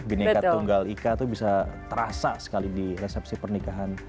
bineka tunggal ika tuh bisa terasa sekali di resepsi pernikahan